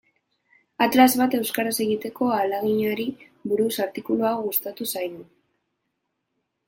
Atlas bat euskaraz egiteko ahaleginari buruz artikulu hau gustatu zaigu.